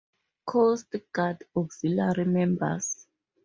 Coast Guard Auxiliary Members.